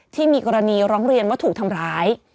ที่มีกรณีร้องเรียนว่าถูกทำร้าย